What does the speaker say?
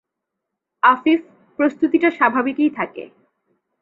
আফিফ: প্রস্তুতিটা স্বাভাবিকই থাকে।